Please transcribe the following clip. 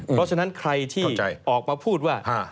เพราะฉะนั้นใครที่ออกมาพูดว่า